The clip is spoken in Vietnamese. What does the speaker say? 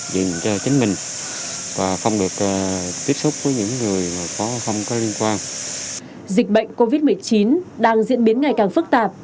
dịch bệnh covid một mươi chín đang diễn biến ngày càng phức tạp